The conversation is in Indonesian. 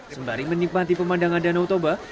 sembari menikmati pemandangan danau toba